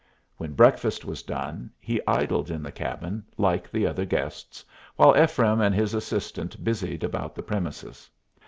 When breakfast was done he idled in the cabin, like the other guests, while Ephraim and his assistant busied about the premises.